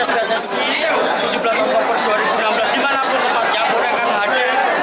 kami tetap akan mengatakan di kongres pssi tujuh belas oktober dua ribu enam belas